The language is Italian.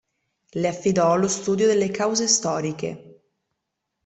Le affidò lo studio delle cause storiche.